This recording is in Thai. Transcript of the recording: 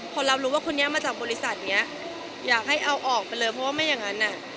พอรับรู้ว่าคนนี้มาจากบริษัทเนี้ยอยากให้เอาออกไปเลยเพราะว่าไม่อย่างนั้นอ่ะ